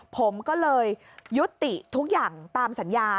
ผมก็เลยยุติทุกอย่างตามสัญญา